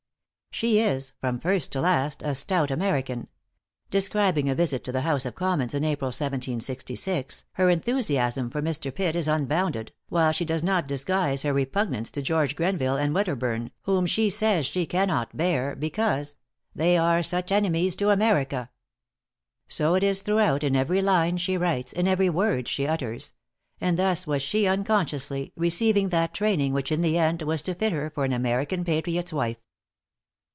She is, from first to last, a stout American. Describing a visit to the House of Commons, in April, 1766, her enthusiasm for Mr. Pitt is unbounded, while she does not disguise her repugnance to George Grenville and Wed derburn, whom she says she cannot bear, because "they are such enemies to America." So it is throughout, in every line she writes, in every word she utters; and thus was she, unconsciously, receiving that training which in the end was to fit her for an American patriot's wife.